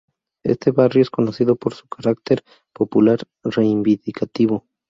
Este barrio es conocido por su carácter popular y reivindicativo.